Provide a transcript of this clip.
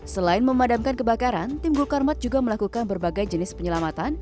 selain memadamkan kebakaran tim gulkarmat juga melakukan berbagai jenis penyelamatan